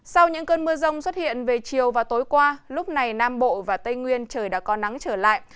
sau những cơn mưa rông xuất hiện về chiều và tối qua lúc này nam bộ và tây nguyên trời đã có nắng trở lại